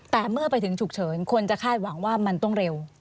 แต่เมื่อไปถึงฉุกเฉินคนจะคาดหวังว่ามันต้องเร็ว